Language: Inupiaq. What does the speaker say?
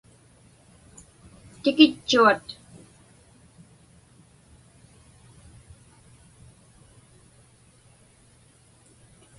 Tikitchuat.